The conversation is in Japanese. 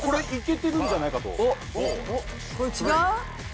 いけてるんじゃないかと。